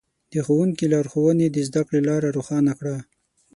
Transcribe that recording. د ښوونکي لارښوونې د زده کړې لاره روښانه کړه.